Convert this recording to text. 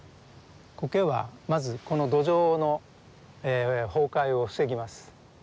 コケはまずこの土壌の崩壊を防ぎます。